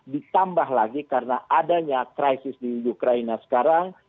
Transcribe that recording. ditambah lagi karena adanya krisis di ukraina sekarang